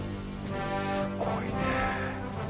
すごいね。